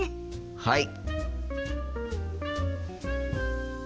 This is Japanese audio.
はい！